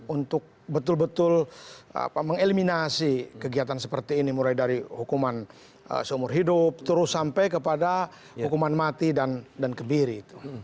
untuk betul betul mengeliminasi kegiatan seperti ini mulai dari hukuman seumur hidup terus sampai kepada hukuman mati dan kebiri